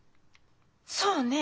そうね！